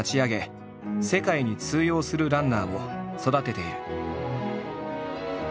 世界に通用するランナーを育てている。